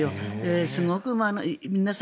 すごく皆さん